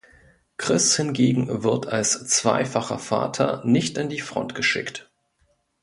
Chris hingegen wird als zweifacher Vater nicht an die Front geschickt.